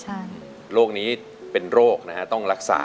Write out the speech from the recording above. อเรนนี่คือเหตุการณ์เริ่มต้นหลอนช่วงแรกแล้วมีอะไรอีก